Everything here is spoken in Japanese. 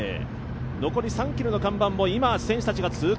残り３ｋｍの看板を今、選手たちが通過。